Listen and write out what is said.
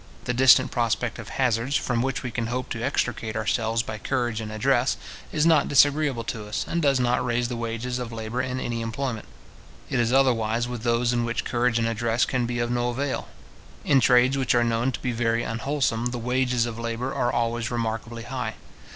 The distant prospect of hazards, from which we can hope to extricate ourselves by courage and address, is not disagreeable to us, and does not raise the wages of labour in any employment. It is otherwise with those in which courage and address can be of no avail. In trades which are known to be very unwholesome, the wages of labour are always remarkably high.